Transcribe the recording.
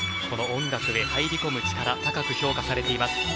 この音楽に入り込む力高く評価されています。